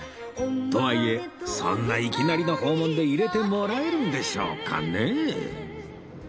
とはいえそんないきなりの訪問で入れてもらえるんでしょうかね